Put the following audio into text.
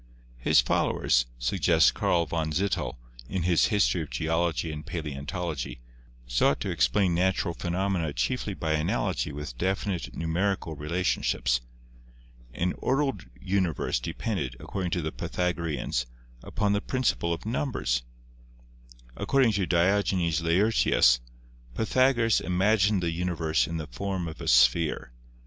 "His fol lowers," suggests Karl von Zittel in his 'History of Geology and Paleontology,' sought to explain natural phenomena chiefly by analogy with definite numerical re lationships. An ordered universe depended, according to the Pythagoreans, upon the principle of numbers. Ac cording to Diogenes Laertius, Pythagoras imagined the universe in the form of a sphere.